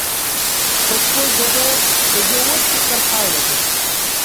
پښتو ژبه د ژور فکر پایله ده.